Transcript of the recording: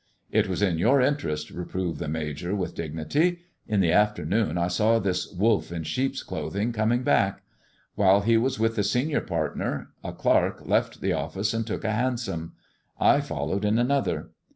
" It was in your interest," reproved the Major with Lgnity. In the afternoon I saw this wolf in sheep's othing coming back. While he was with the senior irtner a clerk left the office and took a hansom. I >llowed in another.